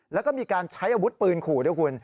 แล้วก็มีการใช้อาวุธปืนขู่ด้วยคุณ